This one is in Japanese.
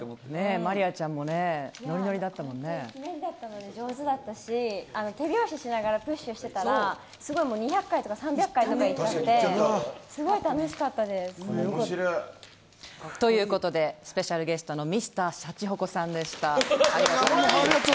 まりあちゃんもノリノすごい上手でしたし手拍子しながらプッシュしていたら２００回とか３００回とかいっちゃってということでスペシャルゲストのＭｒ．シャチホコさんでした。